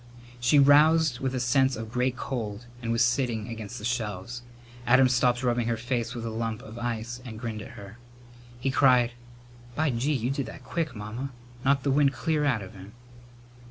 She roused with a sense of great cold and was sitting against the shelves. Adam stopped rubbing her face with a lump of ice and grinned at her. He cried, "By gee, you did that quick, Mamma! Knocked the wind clear out of him."